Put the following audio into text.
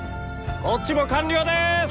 こっちも完了です！